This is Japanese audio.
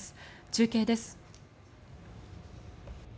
中継です。